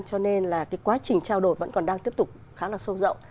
cho nên là cái quá trình trao đổi vẫn còn đang tiếp tục khá là sâu rộng